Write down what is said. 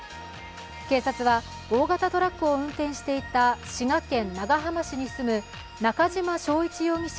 警察は大型トラックを運転していた滋賀県長浜市に住む中嶋正一容疑者